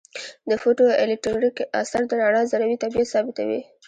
د فوټو الیټکریک اثر د رڼا ذروي طبیعت ثابتوي.